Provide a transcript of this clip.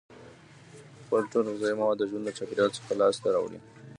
خپل ټول غذایي مواد د ژوند له چاپیریال څخه لاس ته راوړي.